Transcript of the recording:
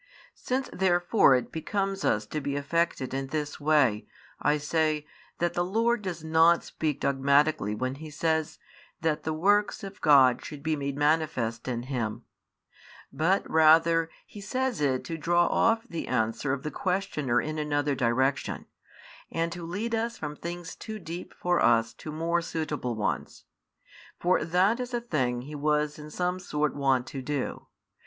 Since therefore it becomes us to be affected in this way, I say, that the Lord does not speak dogmatically when He says, that the works of God should be made manifest in him; but rather He says it to draw off the answer of the questioner in another direction, and to lead us from things too deep for us to more suitable ones; for that is a thing He was in some sort wont to do.